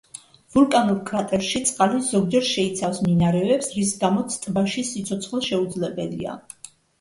ვულკანურ კრატერში წყალი ზოგჯერ შეიცავს მინარევებს, რის გამოც ტბაში სიცოცხლე შეუძლებელია.